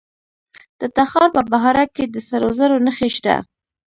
د تخار په بهارک کې د سرو زرو نښې شته.